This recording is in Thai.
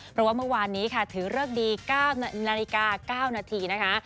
เพราะว่าเมื่อวานนี้ค่ะถือเลิกดี๙นาฬิกา๙นาทีนะคะ